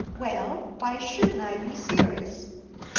"Well, why shouldn't I be serious?"